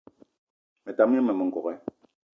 Me tam gne mmema n'gogué